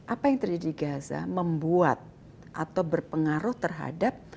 apa yang terjadi di gaza membuat atau berpengaruh terhadap